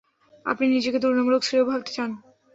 আপনি নিজেকে তুলনামূলক শ্রেয় ভাবতে চান।